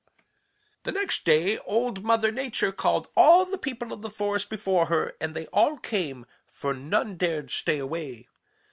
"The next day Old Mother Nature called all the people of the forest before her, and they all came, for none dared stay away.